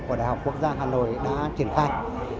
của đại học quốc gia hà nội đã triển khai